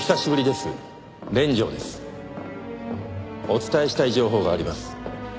お伝えしたい情報があります。